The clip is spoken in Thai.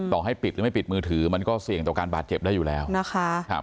ต่อให้ปิดหรือไม่ปิดมือถือมันก็เสี่ยงต่อการบาดเจ็บได้อยู่แล้วนะคะ